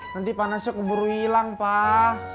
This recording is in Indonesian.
nanti panasnya keburu hilang pak